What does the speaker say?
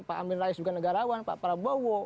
pak amin rais juga negarawan pak prabowo